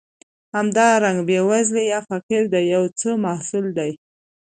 همدارنګه بېوزلي یا فقر د یو څه محصول دی.